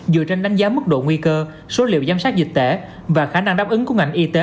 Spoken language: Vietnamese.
dựa trên đánh giá mức độ nguy cơ số liệu giám sát dịch tễ và khả năng đáp ứng của ngành y tế